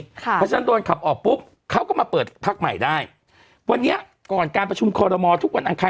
เพราะฉะนั้นโดนขับออกปุ๊บเขาก็มาเปิดพักใหม่ได้วันนี้ก่อนการประชุมคอรมอลทุกวันอังคาร